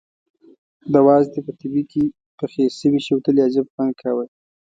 د وازدې په تبي کې پخې شوې شوتلې عجب خوند کاوه.